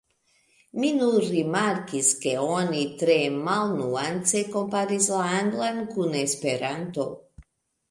Mi nur rimarkis ke oni tre malnuance komparis la anglan kun esperanto.